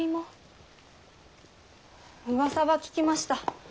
うわさは聞きました。